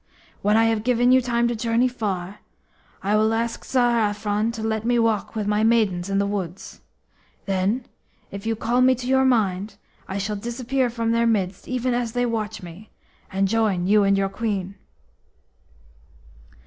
When I have given you time to journey far, I will ask Tsar Afron to let me walk with my maidens in the woods. Then, if you call me to your mind, I shall disappear from their midst even as they watch me, and join you and your Queen."